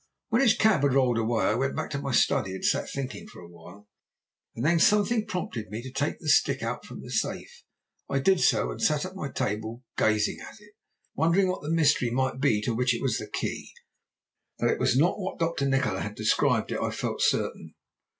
"When his cab had rolled away I went back to my study and sat thinking for awhile. Then something prompted me to take the stick out from the safe. I did so, and sat at my table gazing at it, wondering what the mystery might be to which it was the key. That it was not what Dr. Nikola had described it I felt certain.